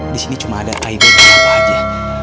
disini cuma ada aida dan bapak aja